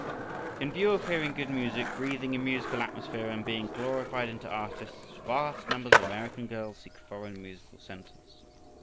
In view of hearing good music, breathing a musical atmosphere and being glorified into artists, vast numbers of American girls seek foreign musical centres.